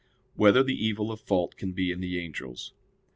1] Whether the Evil of Fault Can Be in the Angels?